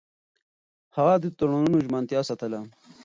هغه د تړونونو ژمنتيا ساتله.